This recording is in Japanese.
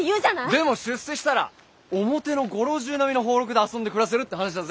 でも出世したら表のご老中並みの俸禄で遊んで暮らせるって話だぜ。